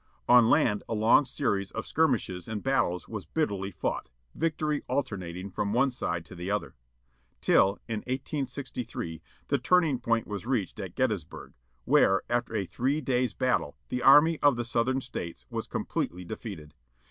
On land a long series of skirmishes and battles was bitterly fought, victory al ternating from one side to the other. Till, in 1863, the turning point was reached at Gettysburg, where, after a three days' battle the army of the Southern States was completely defeated.